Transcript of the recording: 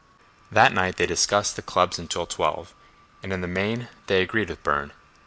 That night they discussed the clubs until twelve, and, in the main, they agreed with Burne.